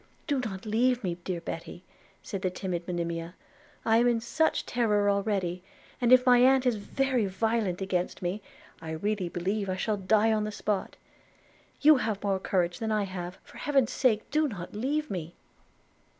'Do not leave me, dear Betty,' said the timid Monimia; 'I am in such terror already, that if my aunt is very violent against me, I really believe I shall die on the spot. You have more courage than I have – for Heaven's sake, do not leave me.'